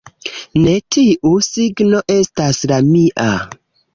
Ne, tiu signo estas la mia